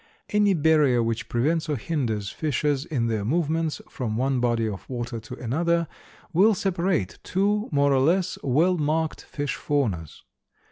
Any barrier which prevents or hinders fishes in their movements from one body of water to another will separate two more or less well marked fish faunas.